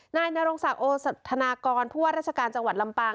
นายนรงศักดิ์โอสธนากรผู้ว่าราชการจังหวัดลำปาง